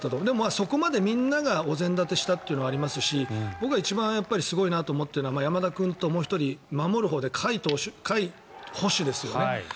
そこまでみんながお膳立てしたというのもありますし僕は一番すごいなと思ったのは山田君ともう１人守るほうで甲斐捕手ですよね。